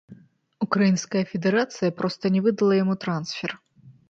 Украінская федэрацыя проста не выдала яму трансфер.